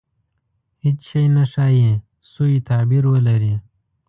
• هېڅ شی نه ښایي، سوء تعبیر ولري.